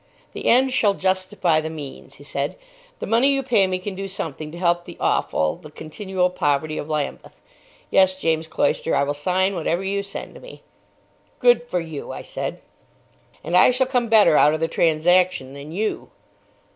"The end shall justify the means," he said. "The money you pay me can do something to help the awful, the continual poverty of Lambeth. Yes, James Cloyster, I will sign whatever you send me." "Good for you," I said. "And I shall come better out of the transaction than you."